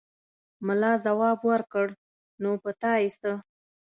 ملا ځواب ورکړ: نو په تا يې څه!